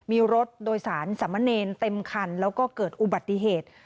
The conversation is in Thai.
มีรถโดยสารสามเณรเต็มคันแล้วก็เกิดอุบัติเหตุ